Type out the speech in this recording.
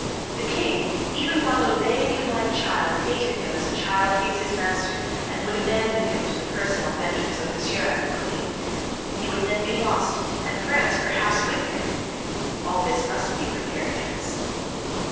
The king, even while obeying him like a child, hated him as a child hates his master, and would abandon him to the personal vengeance of Monsieur and the queen. He would then be lost, and France, perhaps, with him. All this must be prepared against.